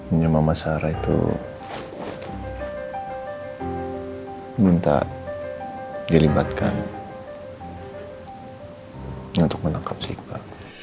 ini mama sarah itu minta dilibatkan untuk menangkap siva